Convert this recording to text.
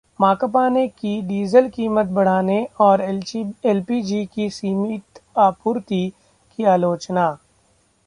माकपा ने की डीजल कीमत बढ़ाने और एलपीजी की सीमित आपूर्ति की आलोचना